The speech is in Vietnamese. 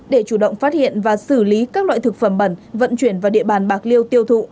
để chủ động phát hiện và xử lý các loại thực phẩm bẩn vận chuyển vào địa bàn bạc liêu tiêu thụ